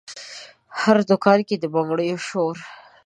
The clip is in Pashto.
هر دکان کې د بنګړیو شور،